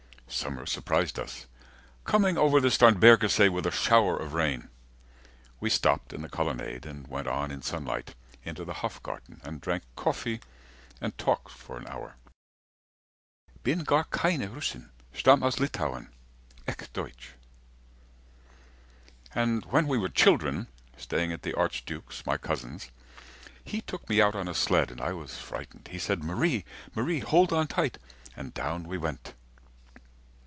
Summer surprised us, coming over the Starnbergersee With a shower of rain; we stopped in the colonnade, And went on in sunlight, into the Hofgarten, 10 And drank coffee, and talked for an hour. Bin gar keine Russin, stamm' aus Litauen, echt deutsch. And when we were children, staying at the archduke's, My cousin's, he took me out on a sled, And I was frightened. He said, Marie, Marie, hold on tight. And down we went.